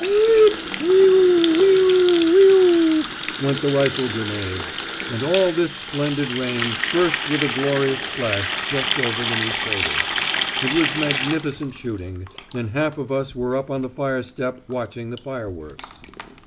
"Wheep! Wee oo, wee oo, wee oo," went the rifle grenades. And all this splendid rain burst with a glorious splash just over the new crater. It was magnificent shooting, and half of us were up on the fire step watching the fireworks.